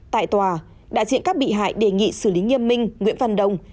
tại tòa đại diện các bị hại đề nghị xử lý nghiêm minh nguyễn văn đông